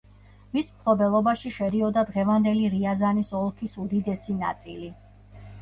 მის მფლობელობაში შედიოდა დღევანდელი რიაზანის ოლქის უდიდესი ნაწილი.